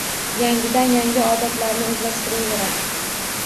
Yangidan yangi “odatlar”ni o’zlashtiraveradi.